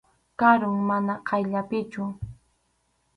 Karum, mana qayllapichu.